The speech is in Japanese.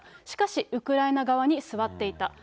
しかし、ウクライナ側に座っていた。